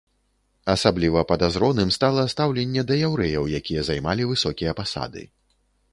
Асабліва падазроным стала стаўленне да яўрэяў, якія займалі высокія пасады.